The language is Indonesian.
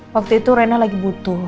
waktu itu rena lagi butuh